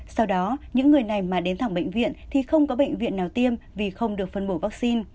sau đó những người này mà đến thẳng bệnh viện thì không có bệnh viện nào tiêm vì không được phân bổ vaccine